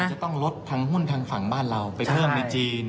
จะต้องลดทางหุ้นทางฝั่งบ้านเราไปเพิ่มในจีน